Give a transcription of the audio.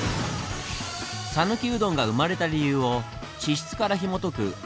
さぬきうどんが生まれた理由を地質からひもとく